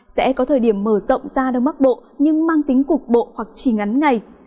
sẽ có thời điểm mở rộng ra đông bắc bộ nhưng mang tính cục bộ hoặc chỉ ngắn ngày